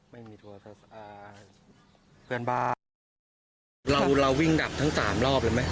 ไม่มีโทรศัพท์อ่าเพื่อนบ้านเราเราวิ่งดับทั้งสามรอบเลยไหม